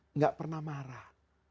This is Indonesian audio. enggak pernah marah